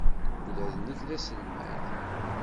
Ula d nekk d aselmad.